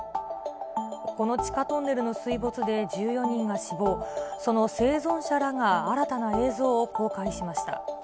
この地下トンネルの水没で１４人が死亡、その生存者らが新たな映像を公開しました。